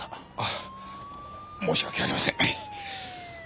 申し訳ありません。